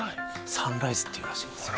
サンライズって言うらしいんですよ